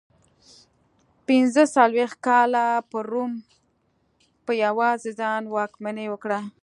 پنځه څلوېښت کاله پر روم په یوازې ځان واکمني وکړه.